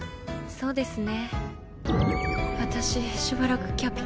そうですね。